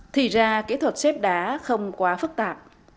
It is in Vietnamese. thì ra kỹ thuật xếp đá không quá phức tạp